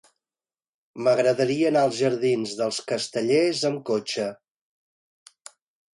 M'agradaria anar als jardins dels Castellers amb cotxe.